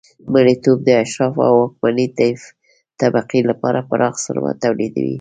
مریتوب د اشرافو او واکمنې طبقې لپاره پراخ ثروت تولیدوي